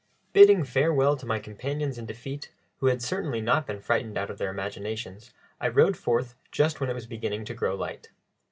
Bidding farewell to my companions in defeat, who had certainly not been frightened out of their imaginations, I rode forth just when it was beginning to grow light.